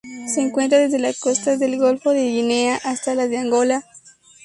Se encuentra desde las costas del Golfo de Guinea hasta las de Angola.